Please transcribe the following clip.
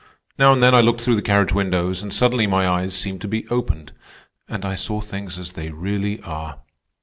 Now and then I looked through the carriage windows, and suddenly my eyes seemed to be opened, and I saw things as they really are.